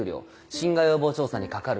侵害予防調査にかかる費用。